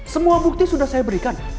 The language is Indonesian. semua bukti sudah saya berikan